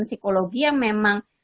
psikologi yang memang